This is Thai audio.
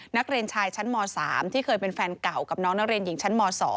นักเรียนชายชั้นม๓ที่เคยเป็นแฟนเก่ากับน้องนักเรียนหญิงชั้นม๒